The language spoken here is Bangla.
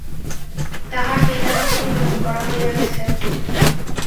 তাহার বিধাতাকে নিবেদন করা হইয়া গেছে।